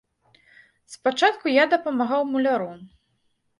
Спачатку я дапамагаў муляру.